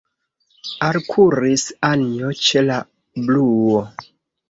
Alkuris Anjo ĉe la bruo.